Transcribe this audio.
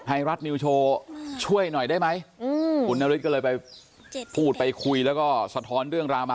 ไทยรัฐนิวโชว์ช่วยหน่อยได้ไหมคุณนฤทธิก็เลยไปพูดไปคุยแล้วก็สะท้อนเรื่องราวมา